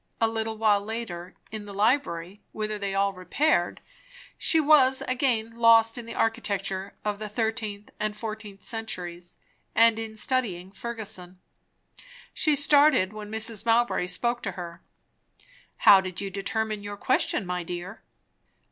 A little while later, in the library, whither they all repaired, she was again lost in the architecture of the 13th and 14th centuries, and in studying Fergusson. She started when Mrs. Mowbray spoke to her. "How did you determine your question, my dear?"